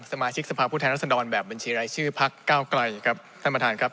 สมาชิกสภาพูธภัพภัณฑ์รัศดรแบบบิญชีไร้ชื่อภาคเก้าไกลค์ครับ